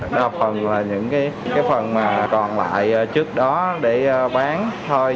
đa phần là những cái phần còn lại trước đó để bán thôi